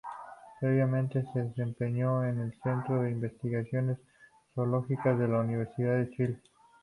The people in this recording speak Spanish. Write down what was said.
Previamente se desempeñó en el Centro de Investigaciones Zoológicas de la Universidad de Chile.